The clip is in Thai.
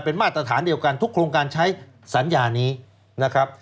เป็นมาตรฐานเดียวกันทุกโครงการใช้สัญญานี้นะครับ